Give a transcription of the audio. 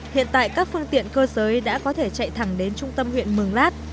hiện tại các phương tiện cơ giới đã có thể chạy thẳng đến trung tâm huyện mường lát